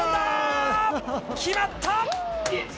決まった！